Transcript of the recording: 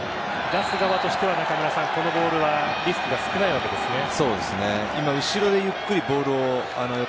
出す側としては、このボールはリスクが少ないわけですね。